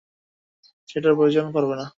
সেটার প্রয়োজন পরবে না।